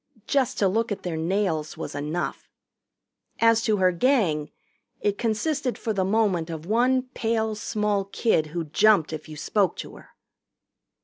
Just to look at their nails was enough. As to her Gang, it consisted for the moment of one pale small kid who jumped if you spoke to her.